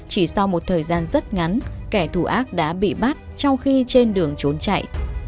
chỉ sau một thời gian rất ngắn kẻ thù ác đã bị bắt trong khi trên đường trốn chạy